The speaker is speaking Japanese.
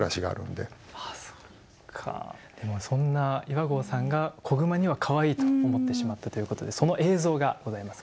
でもそんな岩合さんが子グマにはかわいいと思ってしまったということでその映像がございます。